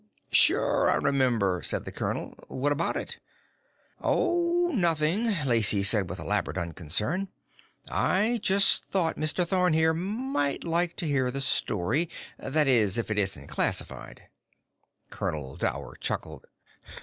"Sure I remember," said the colonel. "What about it?" "Oh, nothing," Lacey said with elaborate unconcern, "I just thought Mr. Thorn, here, might like to hear the story that is, if it isn't classified." Colonel Dower chuckled.